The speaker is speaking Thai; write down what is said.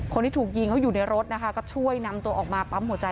คนที่ถูกยิงเขาอยู่ในรถนะคะก็ช่วยนำตัวออกมาปั๊มหัวใจ